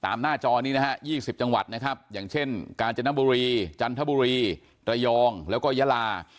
ตามหน้าจอนี่๒๐จังหวัดอย่างเช่นกาศนบุรีจันทบุรีระยองและก็ยะรา